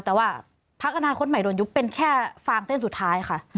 แต่ว่าพักอนาคตใหม่โดนยุบเป็นแค่ฟางเส้นสุดท้ายค่ะ